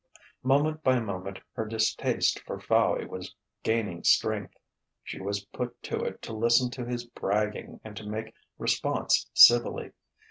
Moment by moment her distaste for Fowey was gaining strength. She was put to it to listen to his bragging and to make response civilly.